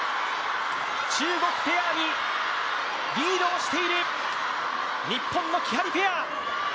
中国ペアにリードをしている日本のキハリペア。